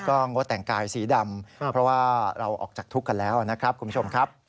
ก็งดแต่งกายสีดำเพราะว่าเราออกจากทุกข์กันแล้วนะครับคุณผู้ชมครับ